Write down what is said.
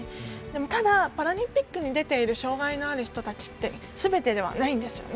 ただ、パラリンピックに出ている障がいのある人たちってすべてではないんですよね。